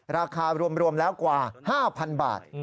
ราคารวมแล้วกว่า๕๐๐๐บาท